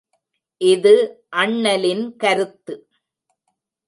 இது அண்ணலின் கருத்து.